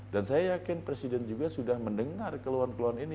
dan saya yakin presiden juga sudah mendengar keluhan keluhan ini